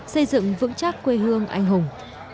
xây dựng vững chắc quê hương anh hùng